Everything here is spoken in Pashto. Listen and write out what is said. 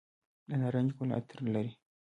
د نارنج ګل عطر لري؟